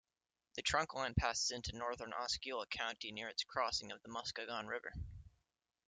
The trunkline passes into northern Osceola County near its crossing of the Muskegon River.